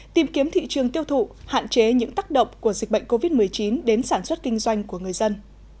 tìm kiếm thị trường tiêu thụ hạn chế những tác động của dịch bệnh covid một mươi chín đến sản xuất kinh doanh của người dân